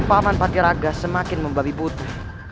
paman patiraga semakin membabi putih